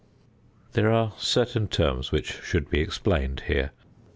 There are certain terms which should be explained here.